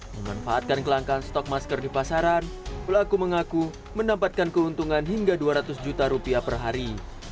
memanfaatkan kelangkaan stok masker di pasaran pelaku mengaku mendapatkan keuntungan hingga dua ratus juta rupiah per hari